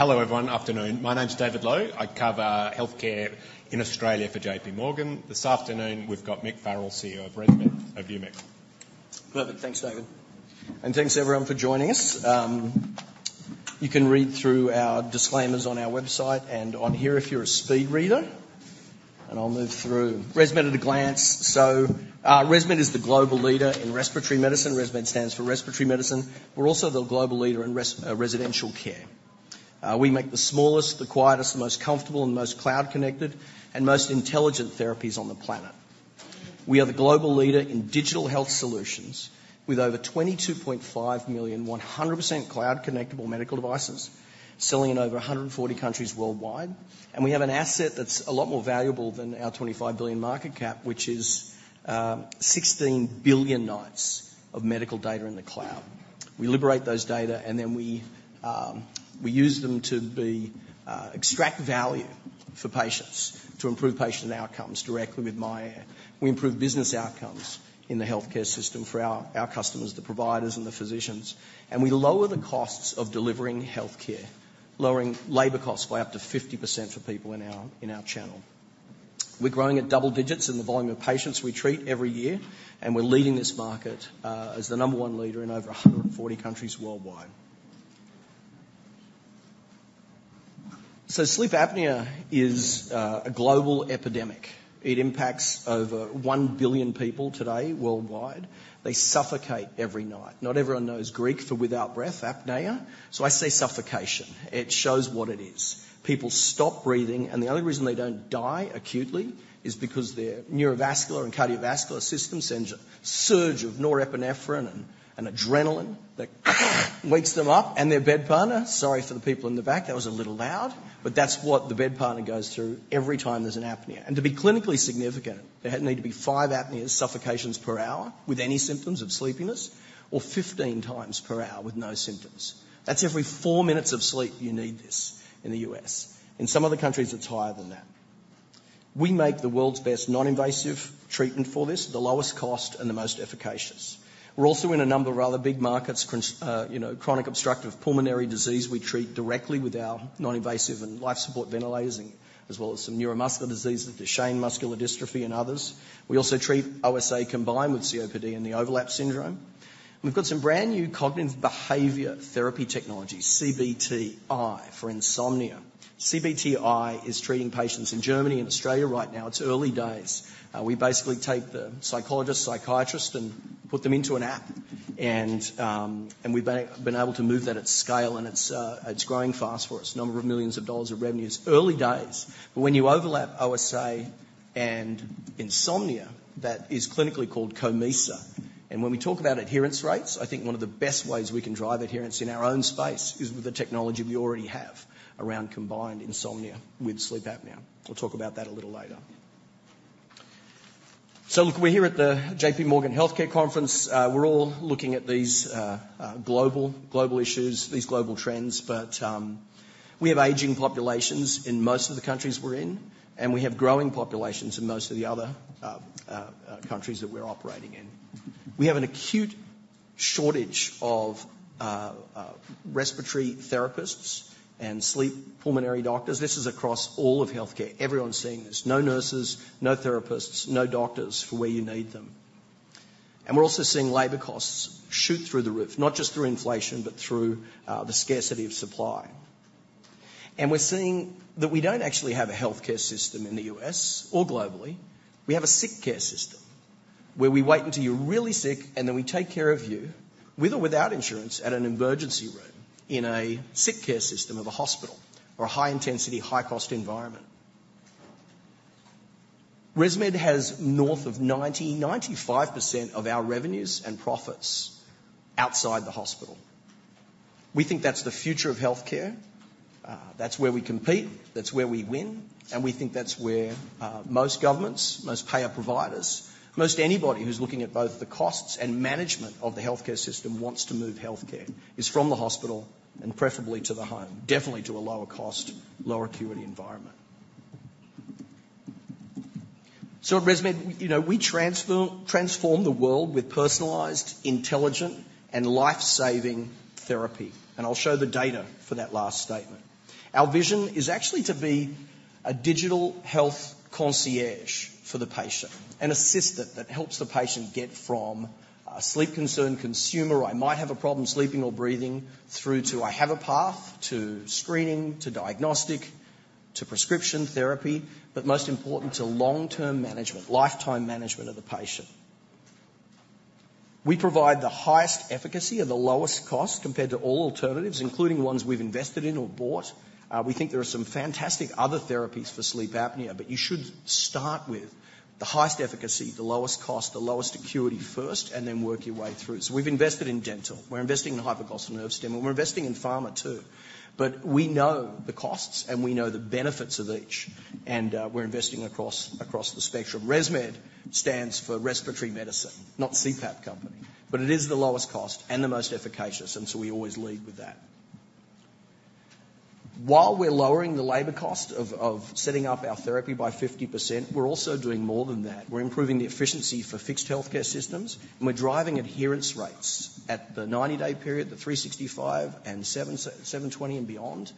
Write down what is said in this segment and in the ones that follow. Hello, everyone. Afternoon. My name's David Low. I cover healthcare in Australia for J.P. Morgan. This afternoon, we've got Mick Farrell, CEO of ResMed, over to Mick. Perfect. Thanks, David, and thanks everyone for joining us. You can read through our disclaimers on our website and on here if you're a speed reader, and I'll move through. ResMed at a glance. So, ResMed is the global leader in respiratory medicine. ResMed stands for respiratory medicine. We're also the global leader in residential care. We make the smallest, the quietest, the most comfortable, and most cloud-connected, and most intelligent therapies on the planet. We are the global leader in digital health solutions, with over 22.5 million, 100% cloud-connectable medical devices, selling in over 140 countries worldwide. And we have an asset that's a lot more valuable than our $25 billion market cap, which is 16 billion nights of medical data in the cloud. We liberate those data, and then we use them to extract value for patients to improve patient outcomes directly with myAir. We improve business outcomes in the healthcare system for our customers, the providers and the physicians, and we lower the costs of delivering healthcare, lowering labor costs by up to 50% for people in our channel. We're growing at double digits in the volume of patients we treat every year, and we're leading this market as the number one leader in over 140 countries worldwide. So sleep apnea is a global epidemic. It impacts over 1 billion people today worldwide. They suffocate every night. Not everyone knows Greek for without breath, apnea, so I say suffocation. It shows what it is. People stop breathing, and the only reason they don't die acutely is because their neurovascular and cardiovascular system sends a surge of norepinephrine and adrenaline that wakes them up and their bed partner. Sorry for the people in the back, that was a little loud, but that's what the bed partner goes through every time there's an apnea. To be clinically significant, there need to be five apneas, suffocations per hour with any symptoms of sleepiness or 15 times per hour with no symptoms. That's every four minutes of sleep you need this in the U.S. In some other countries, it's higher than that. We make the world's best non-invasive treatment for this, the lowest cost and the most efficacious. We're also in a number of other big markets, you know, chronic obstructive pulmonary disease we treat directly with our non-invasive and life support ventilating, as well as some neuromuscular diseases, Duchenne muscular dystrophy and others. We also treat OSA combined with COPD and the overlap syndrome. We've got some brand-new cognitive behavior therapy technology, CBTi, for insomnia. CBTi is treating patients in Germany and Australia right now. It's early days. We basically take the psychologist, psychiatrist and put them into an app, and we've been able to move that at scale, and it's growing fast for us. Number of millions of revenues. Early days, but when you overlap OSA and insomnia, that is clinically called COMISA. When we talk about adherence rates, I think one of the best ways we can drive adherence in our own space is with the technology we already have around combined insomnia with sleep apnea. We'll talk about that a little later. So look, we're here at the J.P. Morgan Healthcare Conference. We're all looking at these global, global issues, these global trends, but we have aging populations in most of the countries we're in, and we have growing populations in most of the other countries that we're operating in. We have an acute shortage of respiratory therapists and sleep pulmonary doctors. This is across all of healthcare. Everyone's seeing this. No nurses, no therapists, no doctors where you need them. And we're also seeing labor costs shoot through the roof, not just through inflation, but through the scarcity of supply. We're seeing that we don't actually have a healthcare system in the U.S. or globally. We have a sick care system, where we wait until you're really sick, and then we take care of you with or without insurance at an emergency room, in a sick care system of a hospital or a high-intensity, high-cost environment. ResMed has north of 90%-95% of our revenues and profits outside the hospital. We think that's the future of healthcare. That's where we compete, that's where we win, and we think that's where most governments, most payer providers, most anybody who's looking at both the costs and management of the healthcare system wants to move healthcare, is from the hospital and preferably to the home. Definitely to a lower cost, lower acuity environment. So at ResMed, you know, we transform the world with personalized, intelligent, and life-saving therapy, and I'll show the data for that last statement. Our vision is actually to be a digital health concierge for the patient. An assistant that helps the patient get from a sleep-concerned consumer, "I might have a problem sleeping or breathing," through to "I have a path," to screening, to diagnostic, to prescription therapy, but most important, to long-term management, lifetime management of the patient. We provide the highest efficacy at the lowest cost compared to all alternatives, including ones we've invested in or bought. We think there are some fantastic other therapies for sleep apnea, but you should start with the highest efficacy, the lowest cost, the lowest acuity first, and then work your way through. So we've invested in dental, we're investing in hypoglossal nerve stim, and we're investing in pharma too. But we know the costs, and we know the benefits of each, and we're investing across the spectrum. ResMed stands for respiratory medicine, not CPAP company, but it is the lowest cost and the most efficacious, and so we always lead with that. While we're lowering the labor cost of setting up our therapy by 50%, we're also doing more than that. We're improving the efficiency for fixed healthcare systems, and we're driving adherence rates at the 90-day period, the 365, and 720 and beyond,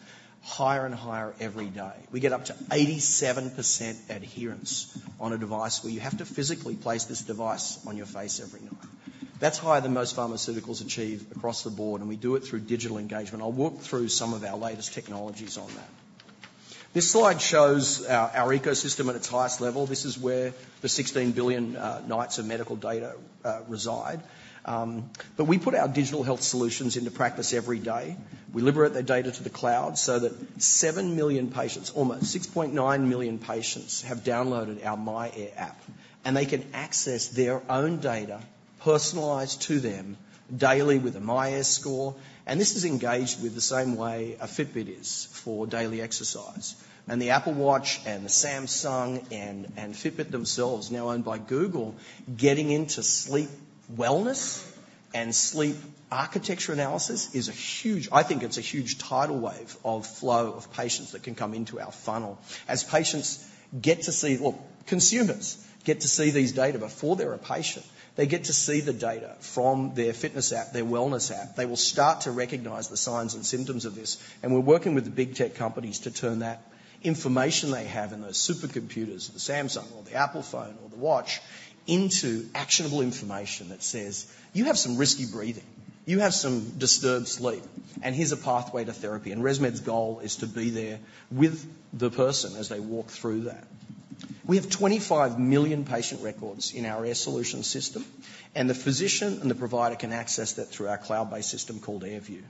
higher and higher every day. We get up to 87% adherence on a device where you have to physically place this device on your face every night. That's higher than most pharmaceuticals achieve across the board, and we do it through digital engagement. I'll walk through some of our latest technologies on that. This slide shows our, our ecosystem at its highest level. This is where the 16 billion nights of medical data reside. But we put our digital health solutions into practice every day. We liberate their data to the cloud so that seven million patients, almost 6.9 million patients, have downloaded our myAir app, and they can access their own data, personalized to them, daily with a myAir score. And this is engaged with the same way a Fitbit is for daily exercise. And the Apple Watch and the Samsung and, and Fitbit themselves, now owned by Google, getting into sleep wellness and sleep architecture analysis is a huge. I think it's a huge tidal wave of flow of patients that can come into our funnel. As patients get to see, well, consumers get to see these data before they're a patient. They get to see the data from their fitness app, their wellness app. They will start to recognize the signs and symptoms of this, and we're working with the big tech companies to turn that information they have in those supercomputers, the Samsung or the Apple phone or the watch, into actionable information that says, "You have some risky breathing. You have some disturbed sleep, and here's a pathway to therapy." And ResMed's goal is to be there with the person as they walk through that. We have 25 million patient records in our Air Solutions system, and the physician and the provider can access that through our cloud-based system called AirView.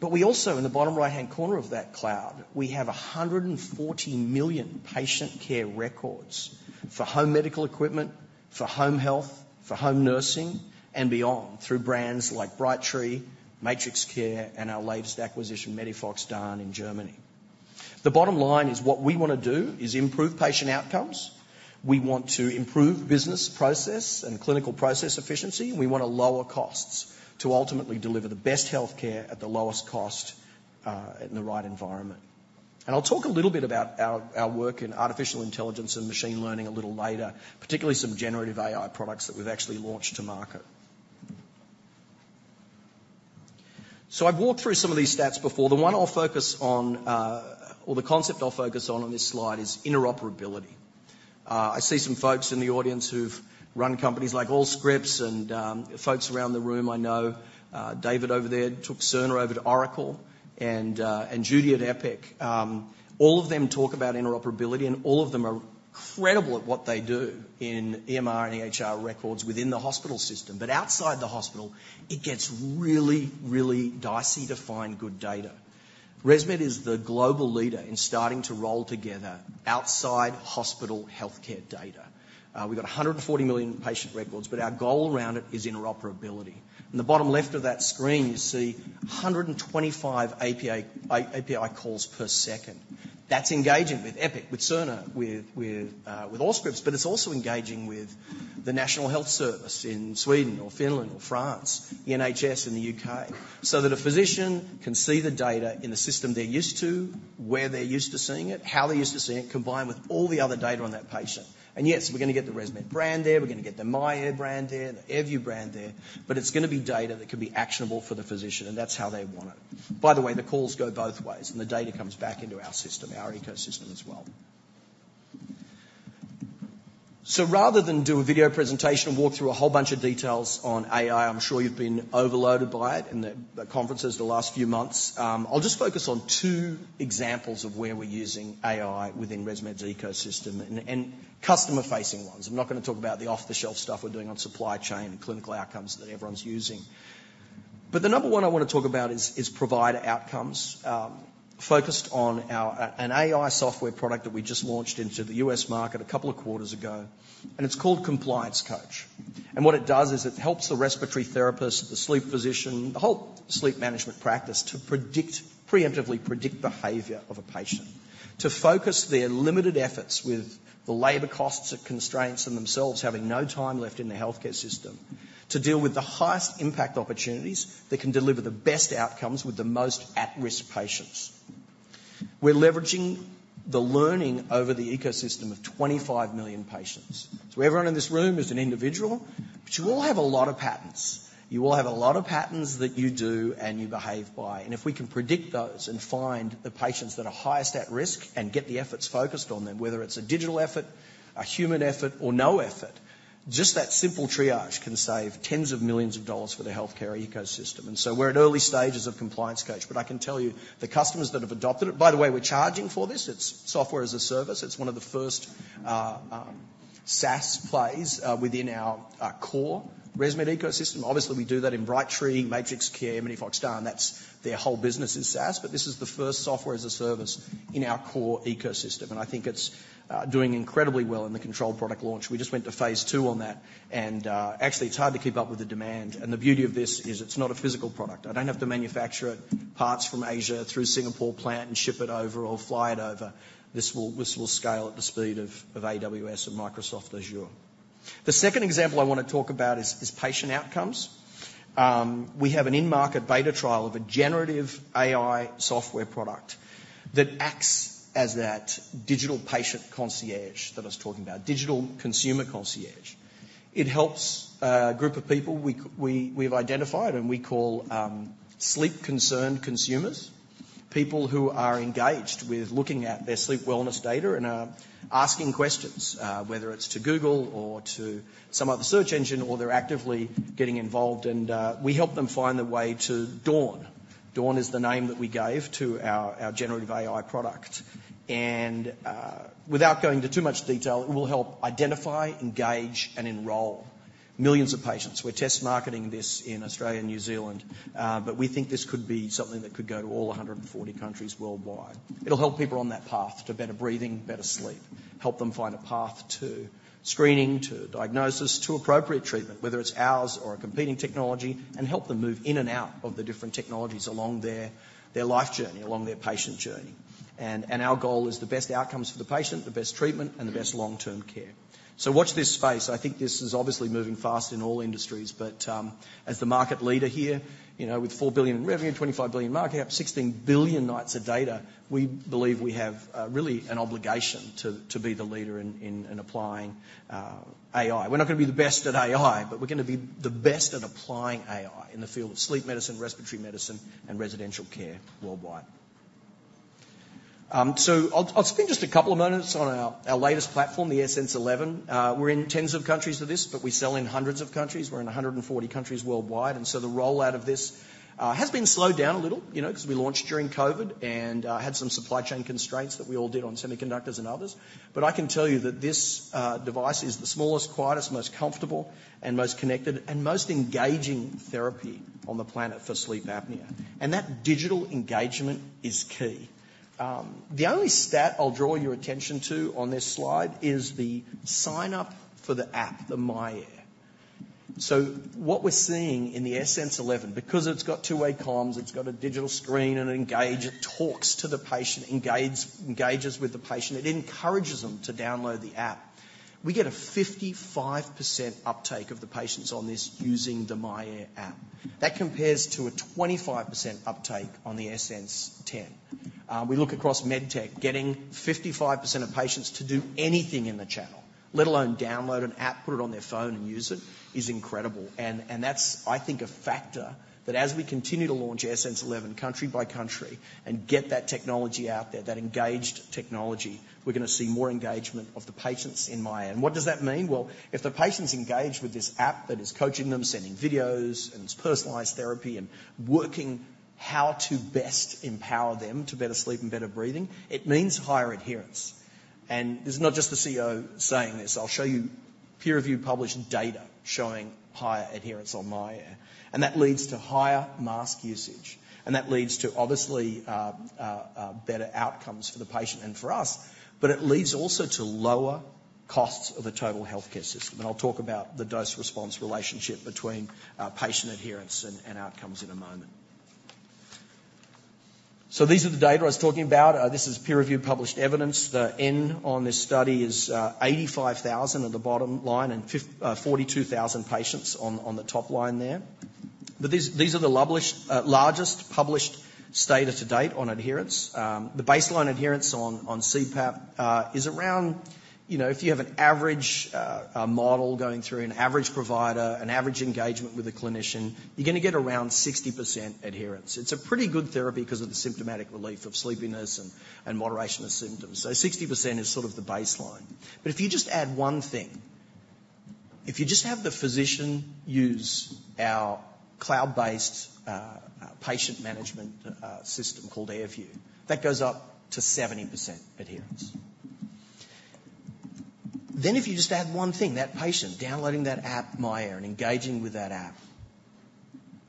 But we also, in the bottom right-hand corner of that cloud, we have 140 million patient care records for home medical equipment, for home health, for home nursing, and beyond, through brands like Brightree, MatrixCare, and our latest acquisition, MEDIFOX DAN in Germany. The bottom line is what we want to do is improve patient outcomes. We want to improve business process and clinical process efficiency. We want to lower costs to ultimately deliver the best healthcare at the lowest cost in the right environment. And I'll talk a little bit about our, our work in artificial intelligence and machine learning a little later, particularly some generative AI products that we've actually launched to market. So I've walked through some of these stats before. The one I'll focus on or the concept I'll focus on on this slide is interoperability. I see some folks in the audience who've run companies like Allscripts and, folks around the room I know. David over there took Cerner over to Oracle and, and Judy at Epic. All of them talk about interoperability, and all of them are incredible at what they do in EMR and EHR records within the hospital system. But outside the hospital, it gets really, really dicey to find good data. ResMed is the global leader in starting to roll together outside hospital healthcare data. We've got 140 million patient records, but our goal around it is interoperability. In the bottom left of that screen, you see 125 API, API calls per second. That's engaging with Epic, with Cerner, with Allscripts, but it's also engaging with the National Health Service in Sweden or Finland or France, the NHS in the U.K., so that a physician can see the data in the system they're used to, where they're used to seeing it, how they're used to seeing it, combined with all the other data on that patient. And yes, we're gonna get the ResMed brand there. We're gonna get the myAir brand there, the AirView brand there, but it's gonna be data that can be actionable for the physician, and that's how they want it. By the way, the calls go both ways, and the data comes back into our system, our ecosystem as well. So rather than do a video presentation and walk through a whole bunch of details on AI, I'm sure you've been overloaded by it in the conferences the last few months. I'll just focus on two examples of where we're using AI within ResMed's ecosystem and customer-facing ones. I'm not gonna talk about the off-the-shelf stuff we're doing on supply chain and clinical outcomes that everyone's using. But the number one I want to talk about is provider outcomes focused on our an AI software product that we just launched into the U.S. market a couple of quarters ago, and it's called Compliance Coach. And what it does is it helps the respiratory therapist, the sleep physician, the whole sleep management practice to preemptively predict behavior of a patient. To focus their limited efforts with the labor costs and constraints on themselves, having no time left in the healthcare system, to deal with the highest impact opportunities that can deliver the best outcomes with the most at-risk patients. We're leveraging the learning over the ecosystem of 25 million patients. So everyone in this room is an individual, but you all have a lot of patterns. You all have a lot of patterns that you do and you behave by, and if we can predict those and find the patients that are highest at risk and get the efforts focused on them, whether it's a digital effort, a human effort, or no effort, just that simple triage can save $10s of millions for the healthcare ecosystem. And so we're at early stages of Compliance Coach, but I can tell you, the customers that have adopted it. By the way, we're charging for this. It's software as a service. It's one of the first SaaS plays within our core ResMed ecosystem. Obviously, we do that in Brightree, MatrixCare, MEDIFOX DAN, that's their whole business is SaaS, but this is the first software as a service in our core ecosystem, and I think it's doing incredibly well in the controlled product launch. We just went to phase two on that, and actually, it's hard to keep up with the demand. And the beauty of this is it's not a physical product. I don't have to manufacture parts from Asia through Singapore plant and ship it over or fly it over. This will scale at the speed of AWS or Microsoft Azure. The second example I want to talk about is patient outcomes. We have an in-market beta trial of a generative AI software product that acts as that digital patient concierge that I was talking about, digital consumer concierge. It helps a group of people we've identified and we call sleep-concerned consumers, people who are engaged with looking at their sleep wellness data and are asking questions, whether it's to Google or to some other search engine or they're actively getting involved, and we help them find their way to Dawn. Dawn is the name that we gave to our, our generative AI product. Without going into too much detail, it will help identify, engage, and enroll millions of patients. We're test marketing this in Australia and New Zealand, but we think this could be something that could go to all 140 countries worldwide. It'll help people on that path to better breathing, better sleep, help them find a path to screening, to diagnosis, to appropriate treatment, whether it's ours or a competing technology, and help them move in and out of the different technologies along their, their life journey, along their patient journey. And our goal is the best outcomes for the patient, the best treatment, and the best long-term care. So watch this space. I think this is obviously moving fast in all industries, but as the market leader here, you know, with $4 billion in revenue, $25 billion market, up 16 billion nights of data, we believe we have really an obligation to be the leader in applying AI. We're not going to be the best at AI, but we're going to be the best at applying AI in the field of sleep medicine, respiratory medicine, and residential care worldwide. So I'll spend just a couple of moments on our latest platform, the AirSense 11. We're in tens of countries with this, but we sell in hundreds of countries. We're in 140 countries worldwide, and so the rollout of this has been slowed down a little, you know, because we launched during COVID and had some supply chain constraints that we all did on semiconductors and others. But I can tell you that this device is the smallest, quietest, most comfortable and most connected and most engaging therapy on the planet for sleep apnea, and that digital engagement is key. The only stat I'll draw your attention to on this slide is the sign-up for the app, the myAir. So what we're seeing in the AirSense 11, because it's got two-way comms, it's got a digital screen and an engager, talks to the patient, engages with the patient, it encourages them to download the app. We get a 55% uptake of the patients on this using the myAir app. That compares to a 25% uptake on the AirSense 10. We look across med tech, getting 55% of patients to do anything in the channel, let alone download an app, put it on their phone and use it, is incredible. That's, I think, a factor that as we continue to launch AirSense 11 country by country and get that technology out there, that engaged technology, we're gonna see more engagement of the patients in myAir. What does that mean? Well, if the patient's engaged with this app that is coaching them, sending videos, and it's personalized therapy and working how to best empower them to better sleep and better breathing, it means higher adherence. This is not just the CEO saying this. I'll show you peer-reviewed, published data showing higher adherence on myAir, and that leads to higher mask usage, and that leads to, obviously, better outcomes for the patient and for us, but it leads also to lower costs of the total healthcare system. I'll talk about the dose-response relationship between patient adherence and outcomes in a moment. So these are the data I was talking about. This is peer-reviewed, published evidence. The N on this study is 85,000 at the bottom line and 42,000 patients on the top line there. But these are the published largest published data to date on adherence. The baseline adherence on CPAP is around... You know, if you have an average model going through an average provider, an average engagement with a clinician, you're gonna get around 60% adherence. It's a pretty good therapy because of the symptomatic relief of sleepiness and moderation of symptoms. So 60% is sort of the baseline. But if you just add one thing, if you just have the physician use our cloud-based patient management system called AirView, that goes up to 70% adherence. Then, if you just add one thing, that patient downloading that app, myAir, and engaging with that app,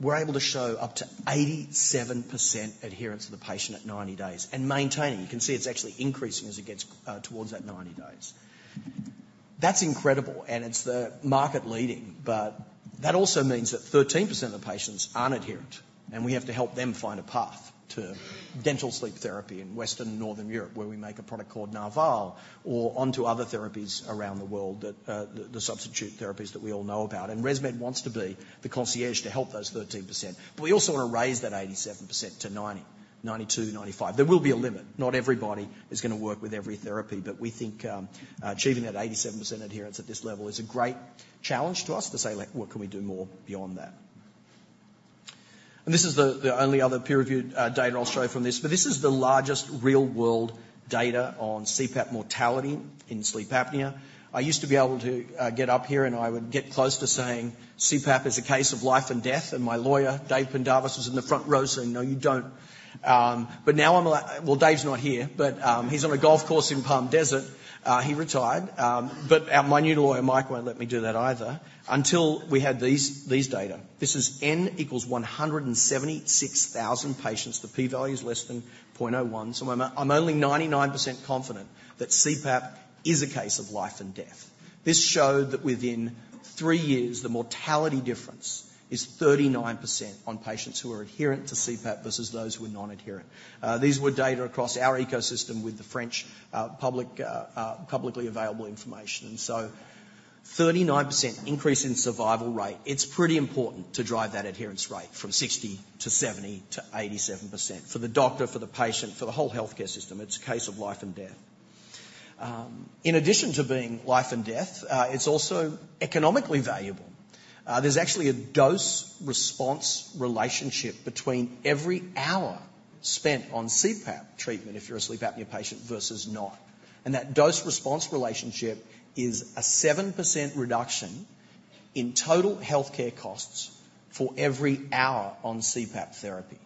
we're able to show up to 87% adherence to the patient at 90 days and maintaining. You can see it's actually increasing as it gets towards that 90 days. That's incredible, and it's the market leading, but that also means that 13% of the patients aren't adherent, and we have to help them find a path to dental sleep therapy in Western and Northern Europe, where we make a product called Narval or onto other therapies around the world that the substitute therapies that we all know about. And ResMed wants to be the concierge to help those 13%, but we also want to raise that 87% to 90, 92, 95. There will be a limit. Not everybody is gonna work with every therapy, but we think, achieving that 87% adherence at this level is a great challenge to us to say, "Well, what can we do more beyond that?" And this is the only other peer-reviewed, data I'll show from this, but this is the largest real-world data on CPAP mortality in sleep apnea. I used to be able to get up here, and I would get close to saying, "CPAP is a case of life and death," and my lawyer, Dave Pendarvis, was in the front row saying, "No, you don't." But now I'm like... Well, Dave's not here, but, he's on a golf course in Palm Desert. He retired, but, my new lawyer, Mike, won't let me do that either until we had these data. This is N equals 176,000 patients. The P value is less than 0.01. So I'm only 99% confident that CPAP is a case of life and death. This showed that within three years, the mortality difference is 39% on patients who are adherent to CPAP versus those who are non-adherent. These were data across our ecosystem with the French public publicly available information. And so 39% increase in survival rate, it's pretty important to drive that adherence rate from 60% to 70% to 87%. For the doctor, for the patient, for the whole healthcare system, it's a case of life and death. In addition to being life and death, it's also economically valuable. There's actually a dose-response relationship between every hour spent on CPAP treatment if you're a sleep apnea patient versus not. And that dose-response relationship is a 7% reduction in total healthcare costs for every hour on CPAP therapy.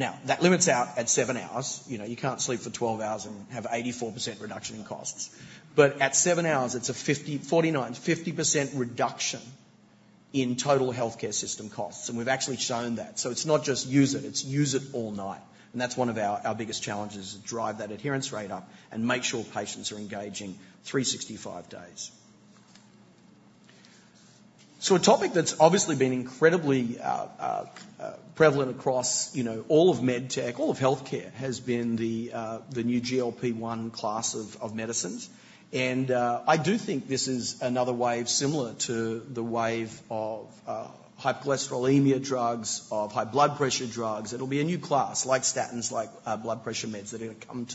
Now, that limits out at 7 hours. You know, you can't sleep for 12 hours and have 84% reduction in costs. But at 7 hours, it's a 49%-50% reduction in total healthcare system costs, and we've actually shown that. So it's not just use it, it's use it all night, and that's one of our, our biggest challenges, is to drive that adherence rate up and make sure patients are engaging 365 days. So a topic that's obviously been incredibly prevalent across, you know, all of med tech, all of healthcare, has been the new GLP-1 class of medicines. I do think this is another wave similar to the wave of hypercholesterolemia drugs, of high blood pressure drugs. It'll be a new class, like statins, like blood pressure meds that are gonna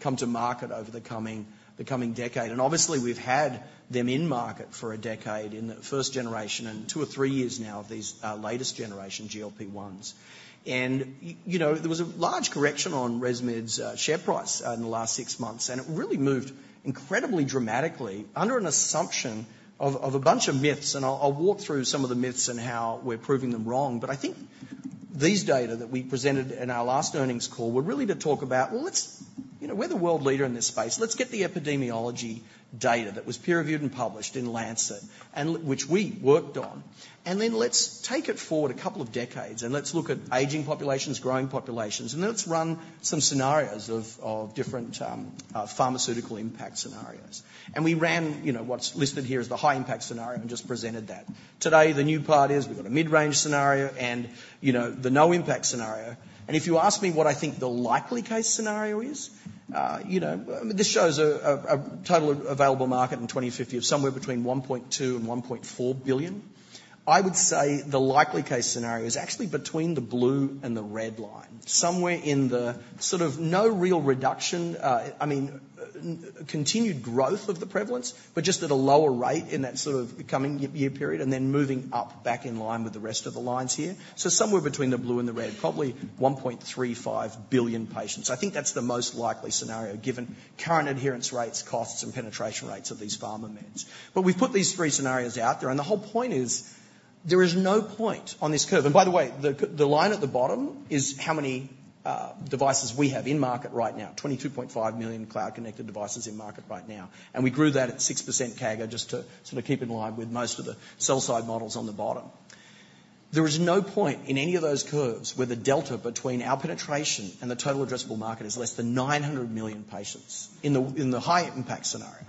come to market over the coming decade. And obviously, we've had them in market for a decade in the first generation, and two or three years now of these latest generation GLP-1s. And you know, there was a large correction on ResMed's share price in the last six months, and it really moved incredibly dramatically under an assumption of a bunch of myths. And I'll walk through some of the myths and how we're proving them wrong. But I think these data that we presented in our last earnings call were really to talk about, well, let's... You know, we're the world leader in this space. Let's get the epidemiology data that was peer-reviewed and published in Lancet, and which we worked on, and then let's take it forward a couple of decades, and let's look at aging populations, growing populations, and let's run some scenarios of different pharmaceutical impact scenarios. We ran, you know, what's listed here as the high impact scenario and just presented that. Today, the new part is we've got a mid-range scenario and, you know, the no-impact scenario. If you ask me what I think the likely case scenario is, you know, this shows a total available market in 2050 of somewhere between $1.2 billion and $1.4 billion. I would say the likely case scenario is actually between the blue and the red line, somewhere in the sort of no real reduction, I mean, continued growth of the prevalence, but just at a lower rate in that sort of coming year period, and then moving up back in line with the rest of the lines here. So somewhere between the blue and the red, probably 1.35 billion patients. I think that's the most likely scenario, given current adherence rates, costs, and penetration rates of these pharma meds. But we've put these three scenarios out there, and the whole point is there is no point on this curve. By the way, the line at the bottom is how many devices we have in market right now, 22.5 million cloud-connected devices in market right now, and we grew that at 6% CAGR, just to sort of keep in line with most of the sell side models on the bottom. There is no point in any of those curves where the delta between our penetration and the total addressable market is less than 900 million patients in the high impact scenario.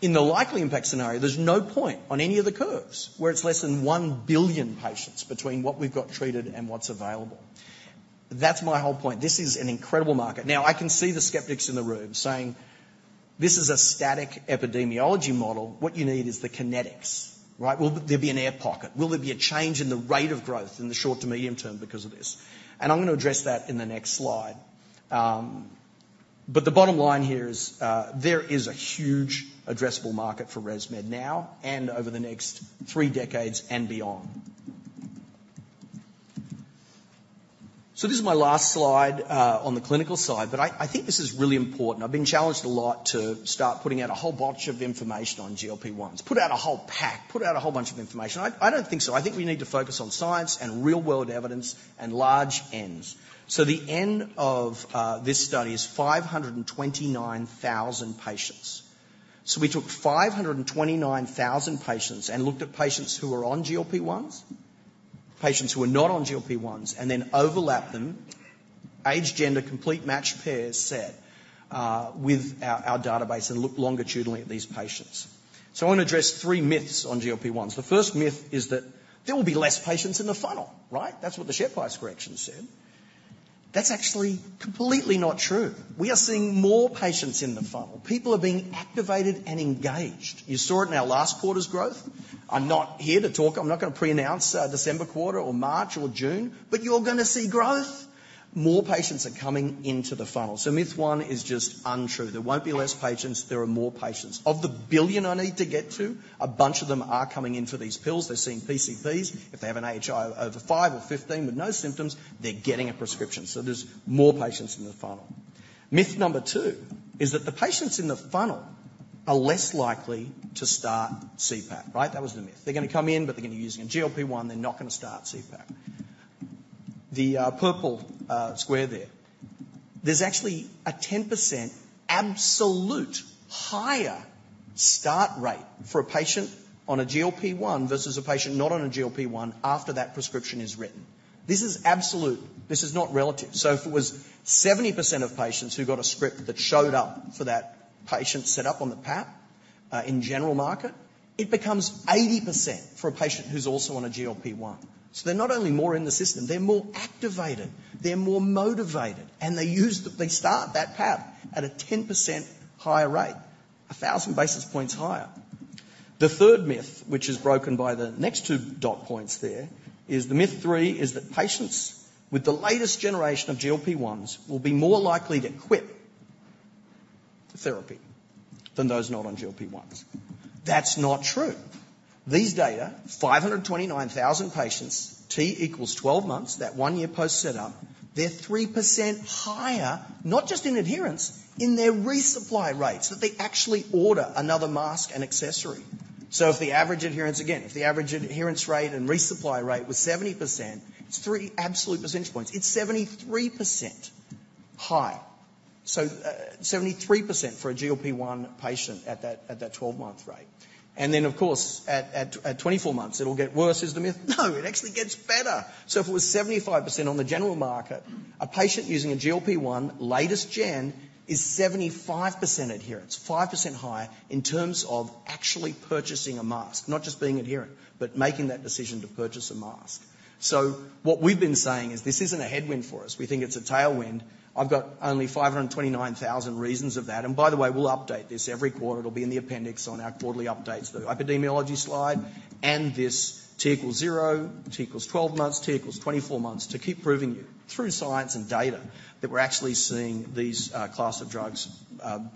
In the likely impact scenario, there's no point on any of the curves where it's less than one billion patients between what we've got treated and what's available. That's my whole point. This is an incredible market. Now, I can see the skeptics in the room saying, "This is a static epidemiology model. What you need is the kinetics," right? Will there be an air pocket? Will there be a change in the rate of growth in the short to medium term because of this? And I'm gonna address that in the next slide. But the bottom line here is, there is a huge addressable market for ResMed now and over the next three decades and beyond. So this is my last slide, on the clinical side, but I, I think this is really important. I've been challenged a lot to start putting out a whole bunch of information on GLP-1s. Put out a whole pack. Put out a whole bunch of information. I, I don't think so. I think we need to focus on science and real-world evidence and large Ns. So the N of, this study is 529,000 patients. So we took 529,000 patients and looked at patients who are on GLP-1s, patients who are not on GLP-1s, and then overlapped them, age, gender, complete matched pair set with our database, and looked longitudinally at these patients. So I want to address three myths on GLP-1s. The first myth is that there will be less patients in the funnel, right? That's what the share price correction said. That's actually completely not true. We are seeing more patients in the funnel. People are being activated and engaged. You saw it in our last quarter's growth. I'm not here to talk. I'm not gonna preannounce December quarter or March or June, but you're gonna see growth. More patients are coming into the funnel. So myth one is just untrue. There won't be less patients; there are more patients. Of the $1 billion I need to get to, a bunch of them are coming in for these pills. They're seeing PCPs. If they have an AHI over five or 15 with no symptoms, they're getting a prescription, so there's more patients in the funnel. Myth number two is that the patients in the funnel are less likely to start CPAP, right? That was the myth. They're gonna come in, but they're gonna be using a GLP-1. They're not gonna start CPAP. The purple square there. There's actually a 10% absolute higher start rate for a patient on a GLP-1 versus a patient not on a GLP-1 after that prescription is written. This is absolute, this is not relative. So if it was 70% of patients who got a script that showed up for that patient set up on the PAP in general market, it becomes 80% for a patient who's also on a GLP-1. So they're not only more in the system, they're more activated, they're more motivated, and they start that PAP at a 10% higher rate, a thousand basis points higher. The third myth, which is broken by the next two dot points there, is the myth three, is that patients with the latest generation of GLP-1s will be more likely to quit the therapy than those not on GLP-1s. That's not true. These data, 529,000 patients, T=12 months, that one year post set up, they're 3% higher, not just in adherence, in their resupply rates, that they actually order another mask and accessory. So if the average adherence. Again, if the average adherence rate and resupply rate was 70%, it's three absolute percentage points. It's 73% high. So, 73% for a GLP-1 patient at that 12-month rate. And then, of course, at 24 months, it'll get worse is the myth. No, it actually gets better! So if it was 75% on the general market, a patient using a GLP-1, latest gen, is 75% adherence. 5% higher in terms of actually purchasing a mask, not just being adherent, but making that decision to purchase a mask. So what we've been saying is, this isn't a headwind for us, we think it's a tailwind. I've got only 529,000 reasons of that, and by the way, we'll update this every quarter. It'll be in the appendix on our quarterly updates, the epidemiology slide, and this T = zero, T = 12 months, T = 24 months, to keep proving you through science and data, that we're actually seeing these class of drugs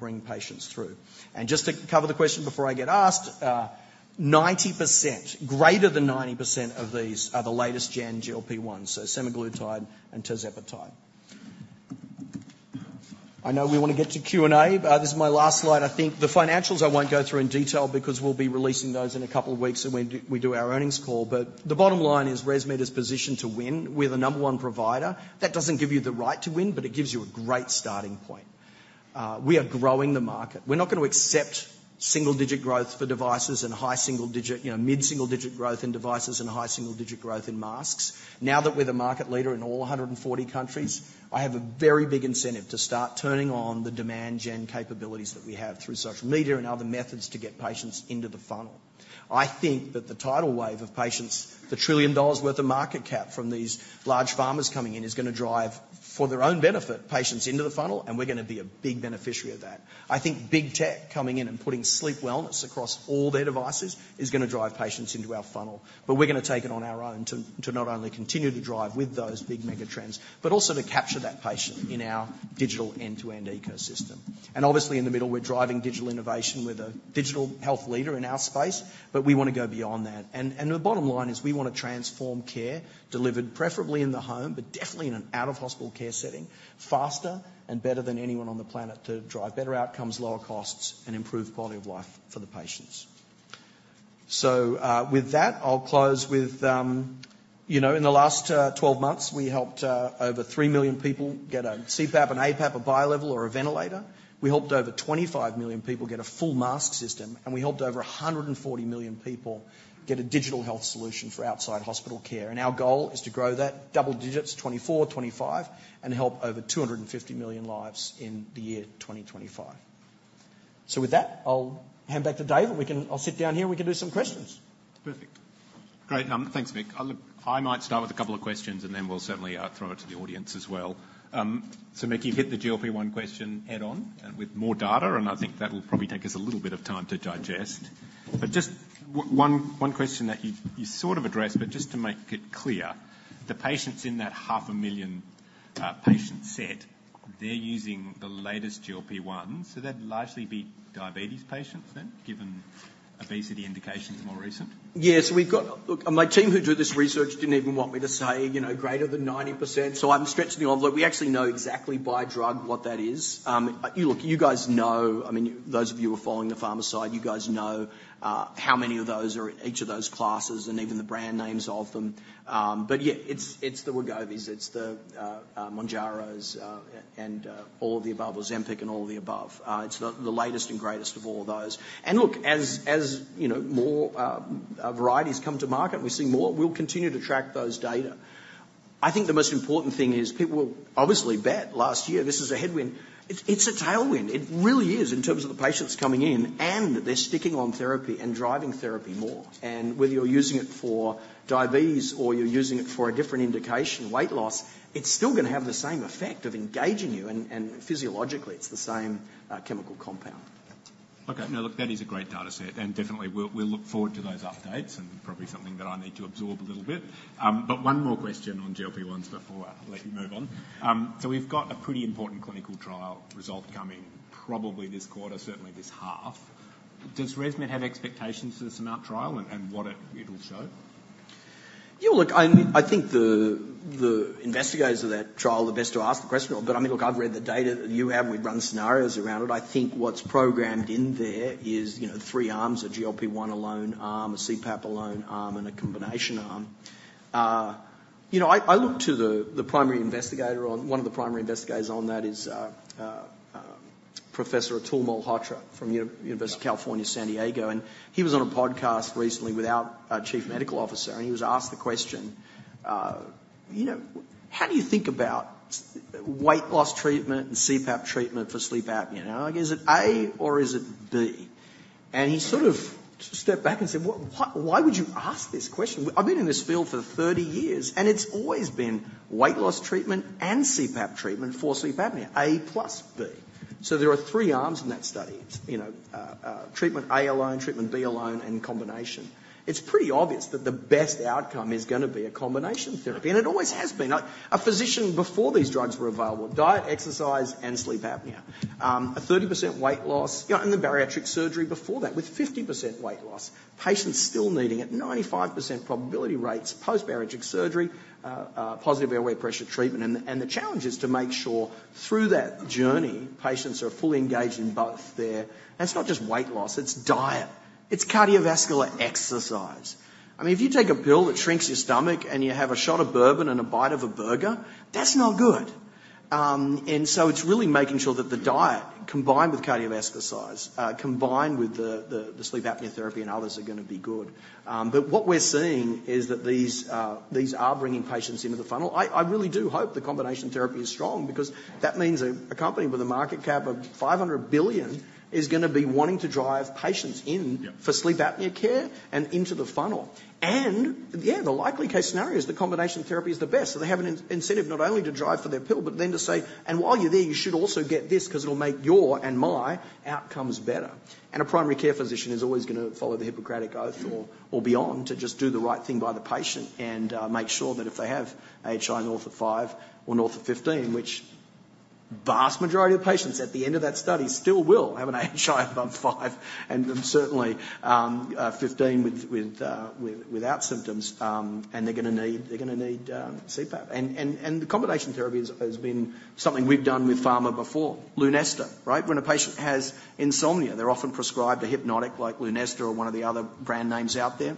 bring patients through. And just to cover the question before I get asked, 90%, greater than 90% of these are the latest gen GLP-1s, so semaglutide and tirzepatide. I know we want to get to Q&A, but this is my last slide. I think the financials, I won't go through in detail because we'll be releasing those in a couple of weeks when we do our earnings call. But the bottom line is ResMed is positioned to win. We're the number one provider. That doesn't give you the right to win, but it gives you a great starting point. We are growing the market. We're not going to accept single-digit growth for devices and high single-digit, you know, mid-single-digit growth in devices and high single-digit growth in masks. Now that we're the market leader in all 140 countries, I have a very big incentive to start turning on the demand gen capabilities that we have through social media and other methods to get patients into the funnel. I think that the tidal wave of patients, the $1 trillion worth of market cap from these large pharmas coming in, is gonna drive, for their own benefit, patients into the funnel, and we're gonna be a big beneficiary of that. I think Big Tech coming in and putting sleep wellness across all their devices is gonna drive patients into our funnel. But we're gonna take it on our own to, to not only continue to drive with those big megatrends, but also to capture that patient in our digital end-to-end ecosystem. And obviously, in the middle, we're driving digital innovation with a digital health leader in our space, but we want to go beyond that. And the bottom line is we want to transform care delivered preferably in the home, but definitely in an out-of-hospital care setting, faster and better than anyone on the planet, to drive better outcomes, lower costs, and improve quality of life for the patients. So, with that, I'll close with, you know, in the last 12 months, we helped over three million people get a CPAP, an APAP, a bilevel, or a ventilator. We helped over 25 million people get a full mask system, and we helped over 140 million people get a digital health solution for outside hospital care. And our goal is to grow that double digits, 2024, 2025, and help over 250 million lives in the year 2025. So with that, I'll hand back to Dave, and we can. I'll sit down here, and we can do some questions. Perfect. Great. Thanks, Mick. I'll—I might start with a couple of questions, and then we'll certainly throw it to the audience as well. So, Mick, you hit the GLP-1 question head on and with more data, and I think that will probably take us a little bit of time to digest. But just one question that you sort of addressed, but just to make it clear, the patients in that 500,000 patient set, they're using the latest GLP-1, so they'd largely be diabetes patients then, given obesity indications more recent? Yes, we've got. Look, my team who do this research didn't even want me to say, you know, greater than 90%, so I'm stretching the envelope. We actually know exactly by drug what that is. You look, you guys know, I mean, those of you who are following the pharma side, you guys know how many of those are in each of those classes and even the brand names of them. But yeah, it's the Wegovys, it's the Mounjaros, and all of the above, Ozempic and all of the above. It's the latest and greatest of all those. And look, as you know, more varieties come to market, and we see more, we'll continue to track those data. I think the most important thing is people obviously bet last year this is a headwind. It's a tailwind. It really is, in terms of the patients coming in, and they're sticking on therapy and driving therapy more. And whether you're using it for diabetes or you're using it for a different indication, weight loss, it's still gonna have the same effect of engaging you, and, and physiologically, it's the same, chemical compound. Okay. Now, look, that is a great data set, and definitely we look forward to those updates and probably something that I need to absorb a little bit. But one more question on GLP-1s before I let you move on. So we've got a pretty important clinical trial result coming probably this quarter, certainly this half. Does ResMed have expectations for this Surmount trial and what it will show? Yeah, look, I think the investigators of that trial are the best to ask the question. But, I mean, look, I've read the data, and you have. We've run scenarios around it. I think what's programmed in there is, you know, three arms, a GLP-1 alone arm, a CPAP alone arm, and a combination arm. You know, I look to the primary investigator, one of the primary investigators on that is Professor Atul Malhotra from University of California, San Diego, and he was on a podcast recently with our chief medical officer, and he was asked the question, "You know, how do you think about weight loss treatment and CPAP treatment for sleep apnea? You know, like, is it A or is it B?" And he sort of stepped back and said, "Well, why, why would you ask this question? I've been in this field for 30 years, and it's always been weight loss treatment and CPAP treatment for sleep apnea, A plus B." So there are three arms in that study. You know, treatment A alone, treatment B alone, and combination. It's pretty obvious that the best outcome is gonna be a combination therapy, and it always has been. A, a physician before these drugs were available, diet, exercise, and sleep apnea. A 30% weight loss... You know, and the bariatric surgery before that, with 50% weight loss, patients still needing it, 95% probability rates, post-bariatric surgery, positive airway pressure treatment. The challenge is to make sure through that journey, patients are fully engaged in both their—and it's not just weight loss, it's diet, it's cardiovascular exercise. I mean, if you take a pill that shrinks your stomach, and you have a shot of bourbon and a bite of a burger, that's not good. And so it's really making sure that the diet, combined with cardiovascular exercise, combined with the sleep apnea therapy and others, are gonna be good. But what we're seeing is that these are bringing patients into the funnel. I really do hope the combination therapy is strong because that means a company with a market cap of $500 billion is gonna be wanting to drive patients in- Yeah. For sleep apnea care and into the funnel. And, yeah, the likely case scenario is the combination therapy is the best. So they have an incentive not only to drive for their pill, but then to say, "And while you're there, you should also get this 'cause it'll make your and my outcomes better." And a primary care physician is always gonna follow the Hippocratic Oath or beyond, to just do the right thing by the patient and make sure that if they have HI north of five or north of 15, which vast majority of patients at the end of that study still will have an HI above five and certainly 15 with or without symptoms. And they're gonna need CPAP. And the combination therapy has been something we've done with Pharma before. Lunesta, right? When a patient has insomnia, they're often prescribed a hypnotic like Lunesta or one of the other brand names out there.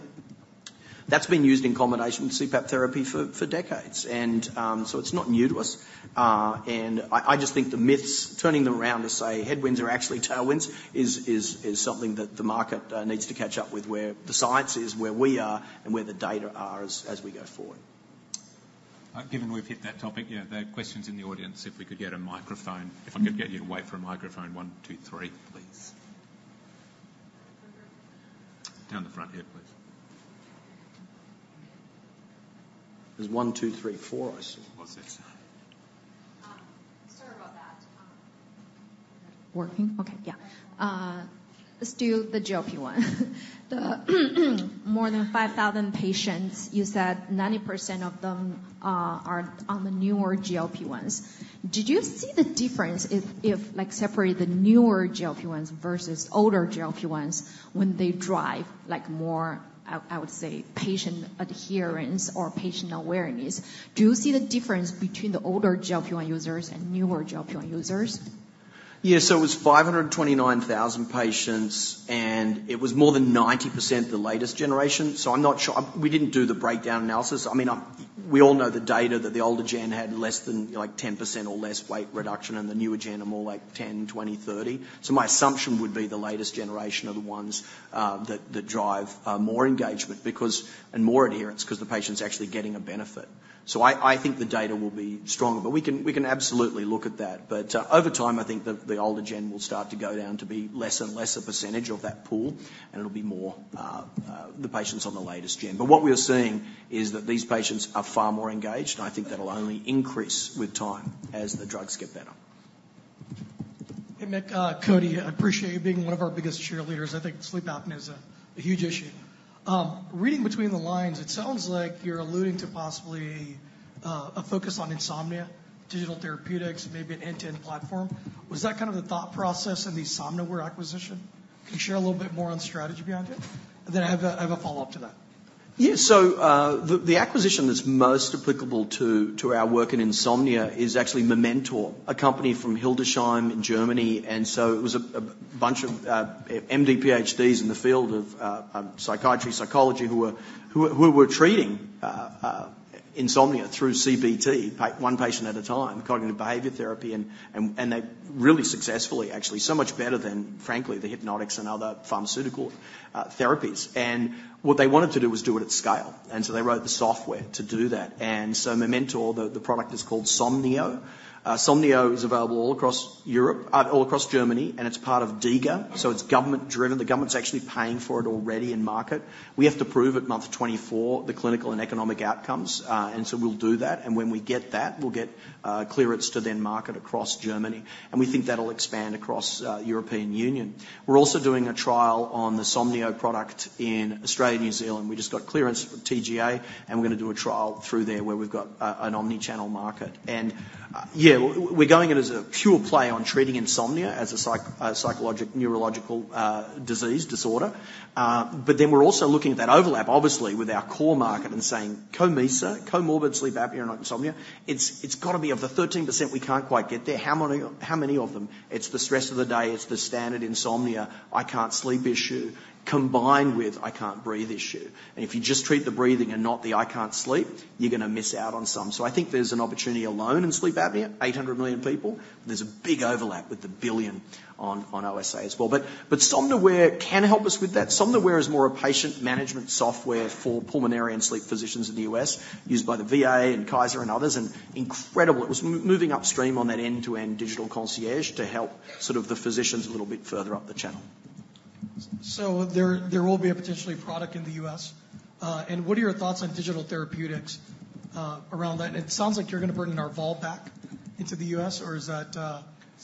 That's been used in combination with CPAP therapy for decades, and so it's not new to us. And I just think the myths, turning them around to say headwinds are actually tailwinds is something that the market needs to catch up with, where the science is, where we are, and where the data are as we go forward. Given we've hit that topic, yeah, there are questions in the audience. If we could get a microphone. If I could get you to wait for a microphone one, two, three, please. Down the front here, please. There's one, two, three, four, I see. What's this? Sorry about that. Working? Okay, yeah. Let's do the GLP-1. More than 5,000 patients, you said 90% of them are on the newer GLP-1s. Did you see the difference if, like, separate the newer GLP-1s versus older GLP-1s, when they drive, like, more, I would say, patient adherence or patient awareness? Do you see the difference between the older GLP-1 users and newer GLP-1 users? Yeah, so it was 529,000 patients, and it was more than 90% the latest generation, so I'm not sure. We didn't do the breakdown analysis. I mean, we all know the data that the older gen had less than, like, 10% or less weight reduction, and the newer gen are more like 10, 20, 30. So my assumption would be the latest generation are the ones that drive more engagement because... and more adherence, 'cause the patient's actually getting a benefit. So I think the data will be stronger, but we can absolutely look at that. But, over time, I think the older gen will start to go down to be less and less a percentage of that pool, and it'll be more the patients on the latest gen. But what we're seeing is that these patients are far more engaged, and I think that'll only increase with time as the drugs get better. Hey, Mick, Cody, I appreciate you being one of our biggest cheerleaders. I think sleep apnea is a huge issue. Reading between the lines, it sounds like you're alluding to possibly a focus on insomnia, digital therapeutics, and maybe an end-to-end platform. Was that kind of the thought process in the Somnoware acquisition? Can you share a little bit more on the strategy behind it? And then I have a, I have a follow-up to that. Yeah, so, the acquisition that's most applicable to our work in insomnia is actually Mementor, a company from Hildesheim in Germany. And so it was a bunch of MD PhDs in the field of psychiatry, psychology, who were treating insomnia through CBT, one patient at a time, cognitive behavior therapy, and they really successfully, actually, so much better than, frankly, the hypnotics and other pharmaceutical therapies. And what they wanted to do was do it at scale, and so they wrote the software to do that. And so Mementor, the product is called somnio. Somnio is available all across Europe, all across Germany, and it's part of DiGA, so it's government-driven. The government's actually paying for it already in market. We have to prove at month 24 the clinical and economic outcomes, and so we'll do that. And when we get that, we'll get clearance to then market across Germany, and we think that'll expand across European Union. We're also doing a trial on the somnio product in Australia and New Zealand. We just got clearance from TGA, and we're gonna do a trial through there, where we've got an omni-channel market. And yeah, we're going it as a pure play on treating insomnia as a psychologic neurological disease disorder. But then we're also looking at that overlap, obviously, with our core market and saying, COMISA, comorbid sleep apnea and insomnia, it's gotta be of the 13% we can't quite get there. How many, how many of them? It's the stress of the day, it's the standard insomnia, "I can't sleep" issue, combined with "I can't breathe" issue. If you just treat the breathing and not the "I can't sleep," you're gonna miss out on some. So I think there's an opportunity alone in sleep apnea, 800 million people. There's a big overlap with 1 billion on OSA as well. But Somnoware can help us with that. Somnoware is more a patient management software for pulmonary and sleep physicians in the U.S., used by the VA and Kaiser and others, and incredible. It was moving upstream on that end-to-end digital concierge to help sort of the physicians a little bit further up the channel. So there will be a potential product in the U.S.? And what are your thoughts on digital therapeutics around that? It sounds like you're gonna bring Narval back into the U.S., or is that?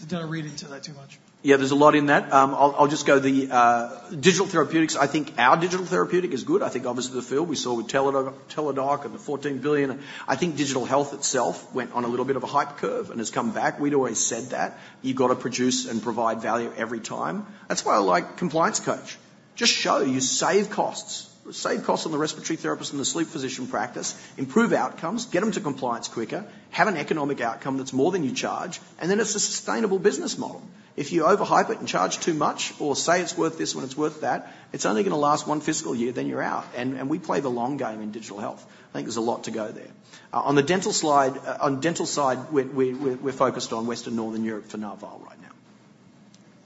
Did I read into that too much? Yeah, there's a lot in that. I'll just go the digital therapeutics. I think our digital therapeutic is good. I think obviously the field, we saw with Teladoc and the $14 billion. I think digital health itself went on a little bit of a hype curve and has come back. We'd always said that. You've got to produce and provide value every time. That's why I like Compliance Coach. Just show you save costs. Save costs on the respiratory therapist and the sleep physician practice, improve outcomes, get them to compliance quicker, have an economic outcome that's more than you charge, and then it's a sustainable business model. If you overhype it and charge too much or say it's worth this when it's worth that, it's only gonna last one fiscal year, then you're out, and we play the long game in digital health. I think there's a lot to go there. On the dental slide, on dental side, we're focused on Western Northern Europe for Narval right now.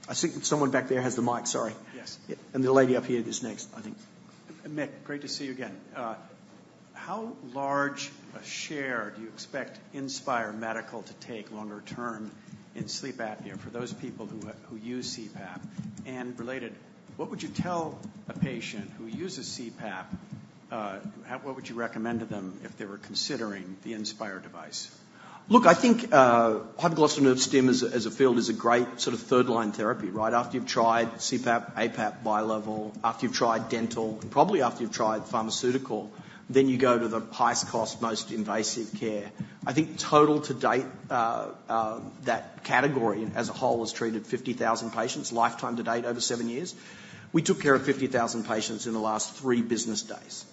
I think someone back there has the mic. Sorry. Yes. The lady up here is next, I think. Mick, great to see you again. How large a share do you expect Inspire Medical to take longer term in sleep apnea for those people who use CPAP? And related, what would you tell a patient who uses CPAP? What would you recommend to them if they were considering the Inspire device? Look, I think, hypoglossal nerve stim as a field is a great sort of third-line therapy, right? After you've tried CPAP, APAP, bilevel, after you've tried dental, and probably after you've tried pharmaceutical, then you go to the highest cost, most invasive care. I think total to date, that category as a whole has treated 50,000 patients, lifetime to date, over seven years. We took care of 50,000 patients in the last three business days.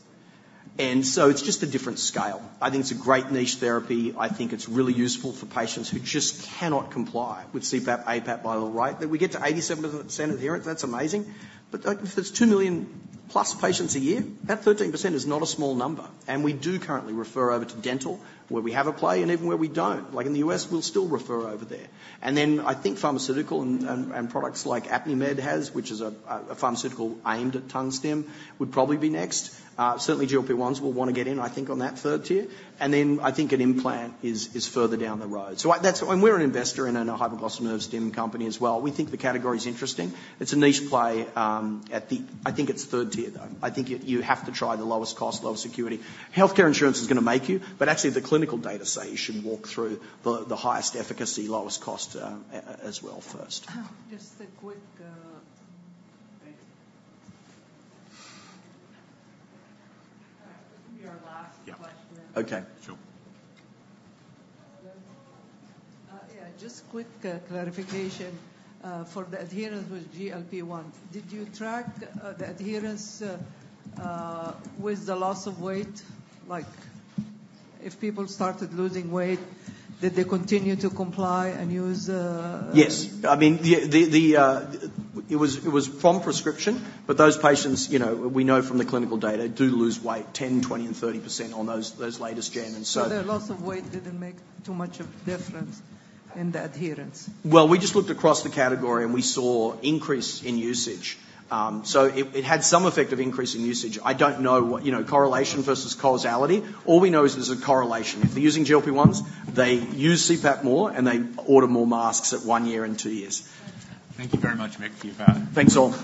And so it's just a different scale. I think it's a great niche therapy. I think it's really useful for patients who just cannot comply with CPAP, APAP, bilevel, right? That we get to 87% adherence, that's amazing. But if it's two million plus patients a year, that 13% is not a small number, and we do currently refer over to dental, where we have a play and even where we don't. Like in the U.S., we'll still refer over there. And then I think pharmaceutical and products like Apnimed has, which is a pharmaceutical aimed at tongue stim, would probably be next. Certainly, GLP-1s will wanna get in, I think, on that third tier. And then I think an implant is further down the road. So I... That's-- And we're an investor in a hypoglossal nerve stim company as well. We think the category is interesting. It's a niche play at the... I think it's third tier, though. I think you have to try the lowest cost, lowest security. Healthcare insurance is gonna make you, but actually, the clinical data say you should walk through the highest efficacy, lowest cost, as well, first. Just a quick, Thank you. All right. This will be our last question. Okay, sure. Yeah, just quick clarification for the adherence with GLP-1. Did you track the adherence with the loss of weight? Like, if people started losing weight, did they continue to comply and use Yes. I mean, it was from prescription, but those patients, you know, we know from the clinical data, do lose weight 10, 20, and 30% on those, those latest gen. And so- The loss of weight didn't make too much of a difference in the adherence? Well, we just looked across the category, and we saw increase in usage. So it had some effect of increase in usage. I don't know what, you know, correlation versus causality. All we know is there's a correlation. If they're using GLP-1s, they use CPAP more, and they order more masks at one year and two years. Thank you very much, Mick, for your time. Thanks, all.